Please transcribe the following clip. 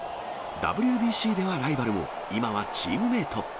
ＷＢＣではライバルも、今はチームメート。